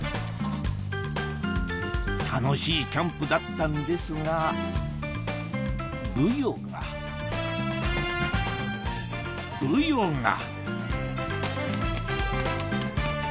楽しいキャンプだったんですがブヨがブヨが！